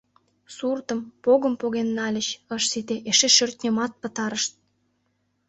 Суртым, погым поген нальыч — ыш сите, эше шӧртньымат пытарышт.